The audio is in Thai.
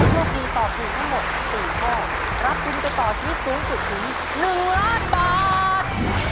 ทุกที่ตอบถูกทั้งหมดสี่ข้อรับทุนไปต่อที่สูงสุดถึงหนึ่งล้านบาท